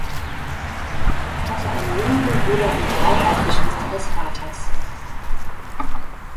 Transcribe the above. Er hatte einen jüngeren Bruder und drei Halbgeschwister des Vaters.